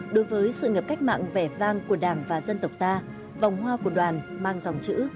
đối với sự nghiệp cách mạng vẻ vang của đảng và dân tộc ta vòng hoa của đoàn mang dòng chữ